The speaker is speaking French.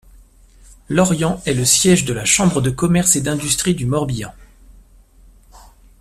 Lorient est le siège de la Chambre de commerce et d'industrie du Morbihan.